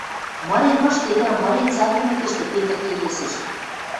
— Мырен мыштедӓ, — мырен цӓрнӹмӹкӹштӹ, Петр келесӹш.